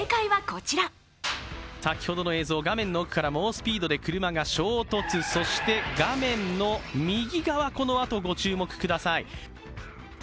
先ほどの映像、画面の奥から猛スピードで車が衝突、そして画面の右側、このあとご注目ください。